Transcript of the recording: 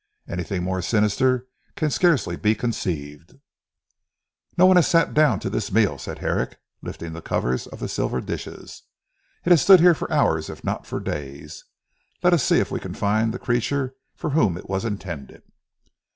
Anything more sinister can scarcely be conceived. "No one has sat down to this meal," said Herrick lifting the covers of the silver dishes, "it has stood here for hours, if not for days. Let us see if we can find the creature for whom it was intended."